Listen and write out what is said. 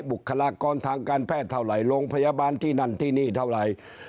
บุคลากรทางการแพทย์เท่าไหร่โรงพยาบาลที่นั่นที่นี่เท่าไหร่